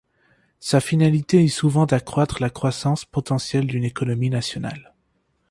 Sa finalité est souvent d'accroître la croissance potentielle d'une économie nationale.